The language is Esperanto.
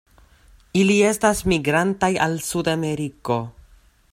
Ili estas migrantaj al Sudameriko.